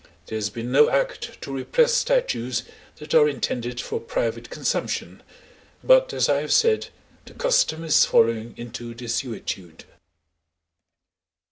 There has been no Act to repress statues that are intended for private consumption, but as I have said, the custom is falling into desuetude.